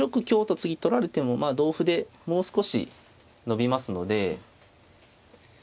香と次取られてもまあ同歩でもう少し伸びますので。